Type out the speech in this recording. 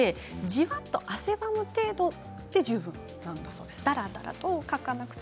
じわっと汗ばむ程度で十分なんだそうです。